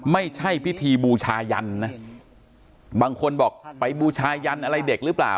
ไม่ใช่พิธีบูชายันนะบางคนบอกไปบูชายันอะไรเด็กหรือเปล่า